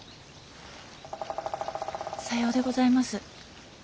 さようでございます。